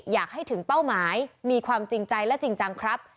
อยากให้ถึงเป้าหมายมีความจริงใจและจริงจังครับ